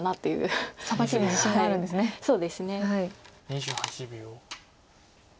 ２８秒。